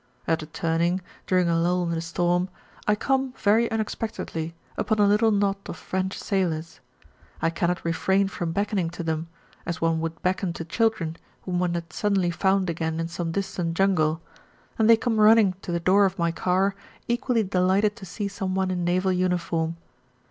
At a turning, during a lull in the storm, I come very unexpectedly upon a little knot of French sailors. I cannot refrain from beckoning to them, as one would beckon to children whom one had suddenly found again in some distant jungle, and they come running to the door of my car equally delighted to see someone in naval uniform.